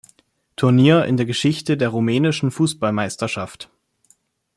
Turnier in der Geschichte der rumänischen Fußballmeisterschaft.